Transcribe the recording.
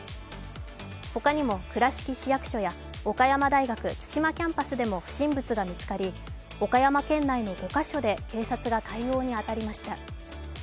ほかにも倉敷市役所や岡山大学津島キャンパスでも不審物が見つかり岡山県内の５か所で警察が対応に当たりました。